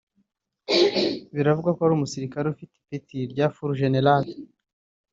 biravugwa ko ari umusirikare ufite ipeti rya full general